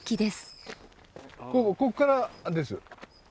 こっからです。